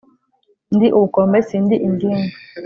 Ndi ubukombe si ndi ingimbi